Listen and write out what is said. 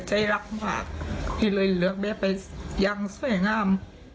แต่ใจรักภาพที่เลยเลือกแม่ไปยังสวยงาม